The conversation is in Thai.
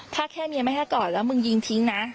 ถ้าแค่เมียไม่ให้ก่อนแล้วมึงยิงทิ้งนะ